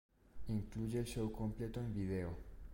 Incluye el show completo en Video.